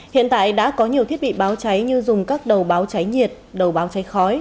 hiện tại đã có nhiều thiết bị báo cháy như dùng các đầu báo cháy nhiệt đầu báo cháy khói